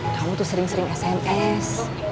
kamu tuh sering sering sms